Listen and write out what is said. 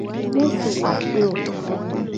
Mu su akpe o.